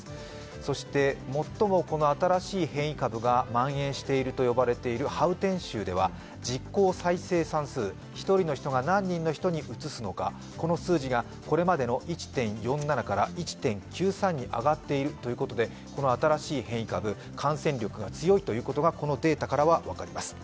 そして、この最も新しい変異株がまん延しているといわれているハウテン州では実効再生産数、１人の人が何人の人に移すのかこの数字がこれまでの１．４７から１．９３に上がっているということでこの新しい変異株感染力が強いということがこのデータから分かります。